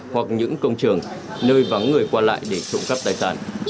hoặc những công trường nơi vắng người qua lại để trộm cắp tài sản